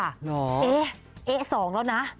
เอ๊ะเอ๊ะ๒แล้วนะ